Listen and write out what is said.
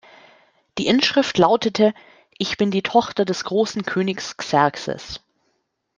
Die Inschrift lautete: „Ich bin die Tochter des großen Königs Xerxes.